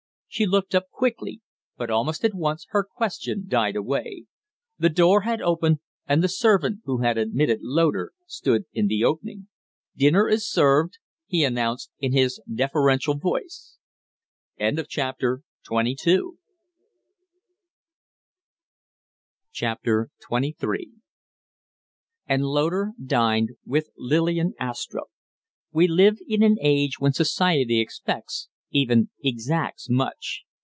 She looked up quickly; but almost at once her question died away. The door had opened, and the servant who had admitted Loder stood in the opening. "Dinner is served!" he announced, in his deferential voice. XXIII And Loder dined with Lillian Astrupp. We live in an age when society expects, even exacts, much.